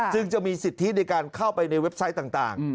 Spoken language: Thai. จึงจะมีสิทธิในการเข้าไปในเว็บไซต์ต่าง